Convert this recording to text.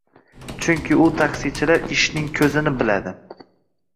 Chunki u taksichilar «ishning ko‘zini biladi»!